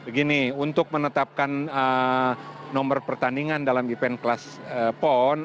begini untuk menetapkan nomor pertandingan dalam event kelas pon